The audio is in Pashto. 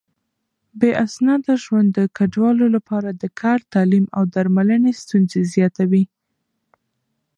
بې اسناده ژوند د کډوالو لپاره د کار، تعليم او درملنې ستونزې زياتوي.